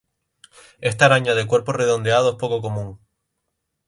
Esta araña de cuerpo redondeado es poco común.